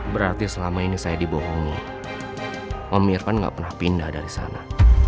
berarti selama ini saya dibohongi om irfan nggak pernah pindah dari sana